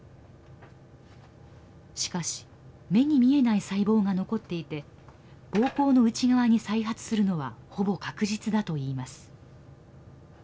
しかし目に見えない細胞が残っていて膀胱の内側に再発するのはほぼ確実だといいます。